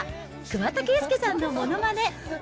桑田佳祐さんのものまね。